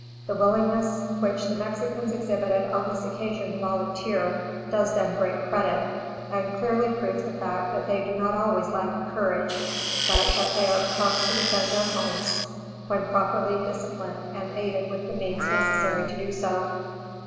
The willingness which the Mexicans exhibited on this occasion to volunteer, does them great credit, and clearly proves the fact that they do not always lack in courage, but that they are prompt to defend their homes when properly disciplined and aided with the means necessary to do so.